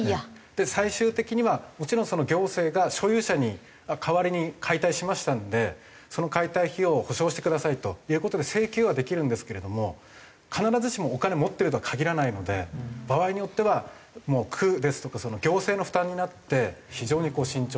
で最終的にはもちろん行政が所有者に代わりに解体しましたのでその解体費用を補償してくださいという事で請求はできるんですけれども必ずしもお金持ってるとは限らないので場合によっては区ですとか行政の負担になって非常に慎重に。